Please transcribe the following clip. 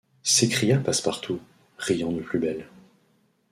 s’écria Passepartout, riant de plus belle.